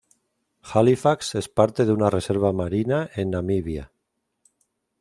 Halifax es parte de una Reserva Marina en Namibia.